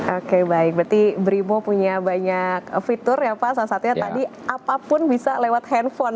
oke baik berarti brimo punya banyak fitur ya pak salah satunya tadi apapun bisa lewat handphone